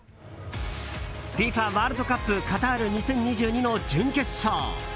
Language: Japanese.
ＦＩＦＡワールドカップカタール２０２２の準決勝。